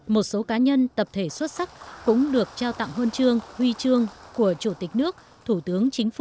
một số cá nhân tập thể xuất sắc cũng được trao tặng huân chương huy chương của chủ tịch nước thủ tướng chính phủ